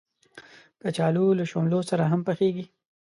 کچالو له شولو سره هم پخېږي